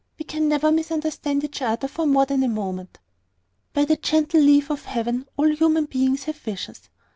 We can never misunderstand each other for more than a moment." By the gentle leave of Heaven, all human beings have visions.